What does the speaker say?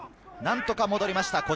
何とか戻りました。